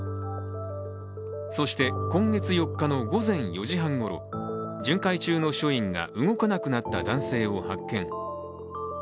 そして今月４日の午前４時半ごろ巡回中の署員が動かなくなった男性を発見。